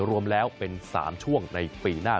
รวมแล้วเป็น๓ช่วงในปีหน้า